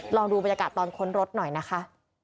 ลองดูบรรยากาศตอนค้นรถหน่อยนะคะ